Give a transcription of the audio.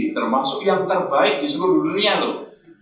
termasuk yang terbaik di seluruh dunia loh